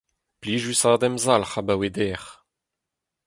Plijusat emzalc'h abaoe dec'h.